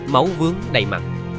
máu vướng đầy mặt